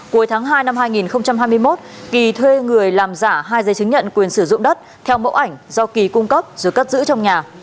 cuối tháng hai năm hai nghìn hai mươi một kỳ thuê người làm giả hai giấy chứng nhận quyền sử dụng đất theo mẫu ảnh do kỳ cung cấp rồi cất giữ trong nhà